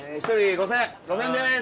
５，０００円です。